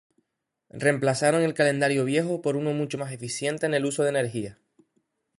Reemplazaron el calentador viejo por uno mucho más eficiente en el uso de energía.